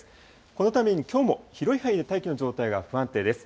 このためにきょうも広い範囲で大気の状態が不安定です。